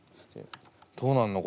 どうなんの？